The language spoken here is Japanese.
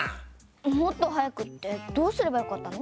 もっと早くってどうすればよかったの？